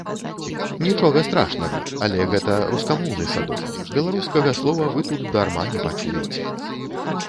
Нічога страшнага, але гэта рускамоўны садок, беларускага слова вы тут дарма не пачуеце.